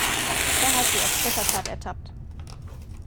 Er hat sie auf frischer Tat ertappt.